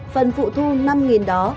phần phụ thu năm đó